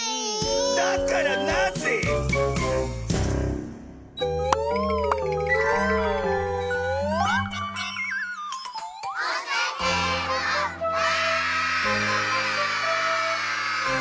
だからなぜ⁉わあ！